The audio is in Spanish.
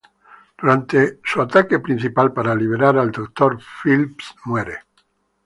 Durante su ataque principal para liberar al Doctor, Phipps muere.